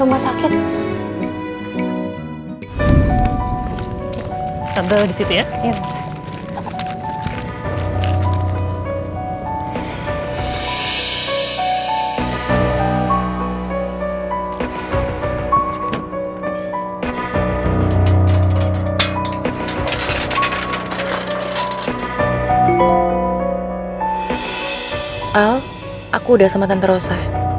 al aku udah sama tante rosa